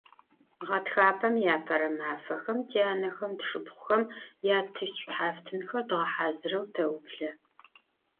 Ğetxapem yiapere mafexem tyanexem, tşşıpxhuxem yattışt ş'uhaftınxer dğehazıreu teuble.